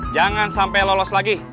jangan sampai lolos lagi